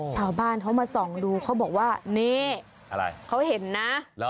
ชาวบ้านเขามาส่องดูเขาบอกว่านี่เขาเห็นนะ